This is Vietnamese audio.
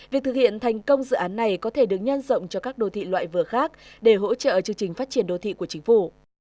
việc thực hiện thành công dự án này có thể được nhân rộng cho các đô thị loại vừa khác để hỗ trợ chương trình phát triển đô thị của chính phủ